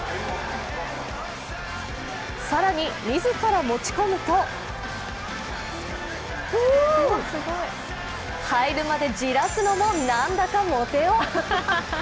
更に自ら持ち込むと入るまでじらすのも、なんだかモテ男。